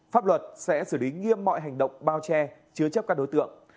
pháp luật sẽ xử lý nghiêm mọi hành động bao che chứa chấp các đối tượng